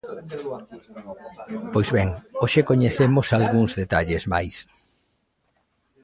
Pois ben, hoxe coñecemos algúns detalles máis.